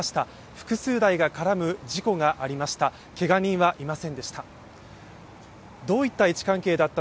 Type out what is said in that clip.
複数台が絡む事故がありました。